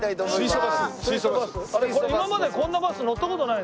今までこんなバス乗った事ないね。